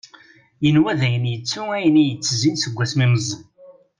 Yenwa dayen yettu ayen i yettezzin seg wasmi meẓẓi;